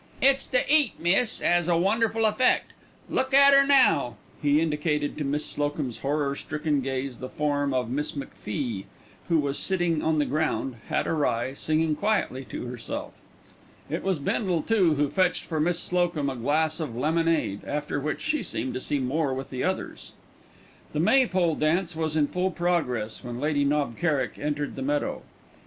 "It's the 'eat, miss, 'as a wonderful effect. Look at 'er now." He indicated to Miss Slocum's horror stricken gaze the form of Miss McFie, who was sitting on the ground, hat awry, singing quietly to herself. It was Bindle, too, who fetched for Miss Slocum a glass of lemonade, after which she seemed to see more with the others. The maypole dance was in full progress when Lady Knob Kerrick entered the meadow.